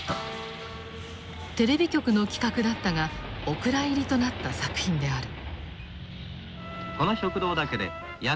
テレビ局の企画だったがお蔵入りとなった作品である。